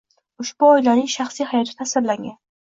Ushbu oilaning shaxsiy hayoti tasvirlangan